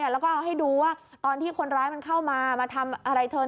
แล้วก็เอาให้ดูว่าตอนที่คนร้ายมันเข้ามามาทำอะไรเธอ